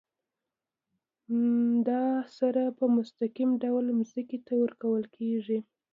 دا سره په مستقیم ډول ځمکې ته ورکول کیږي.